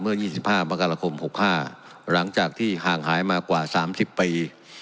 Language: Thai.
เมื่อ๒๕มกราคม๖๕หลังจากที่ห่างหายมากว่า๓๐ปี